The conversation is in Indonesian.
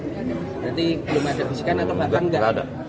berarti belum ada bisikan atau bapak enggak